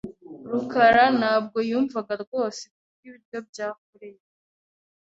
rukara ntabwo yumvaga rwose kurya ibiryo bya koreya .